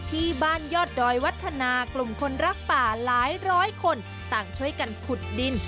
ที่บ้านยอดดอยวัฒนากลุ่มคนรักป่าหลายร้อยคนต่างช่วยกันขุดดิน